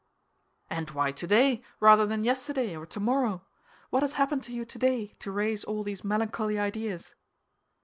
"And why today, rather than yesterday or tomorrow? What has happened to you today, to raise all these melancholy ideas?"